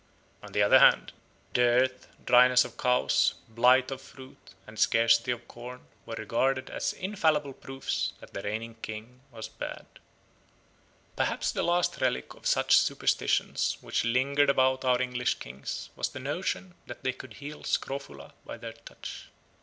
On the other hand, dearth, dryness of cows, blight of fruit, and scarcity of corn were regarded as infallible proofs that the reigning king was bad. Perhaps the last relic of such superstitions which lingered about our English kings was the notion that they could heal scrofula by their touch.